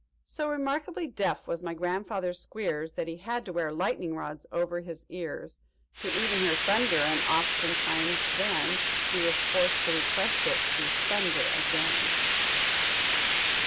_' "So remarkably deaf was my grandfather Squeers That he had to wear lightning rods over his ears "To even hear thunder and oftentimes then He was forced to request it to thunder again."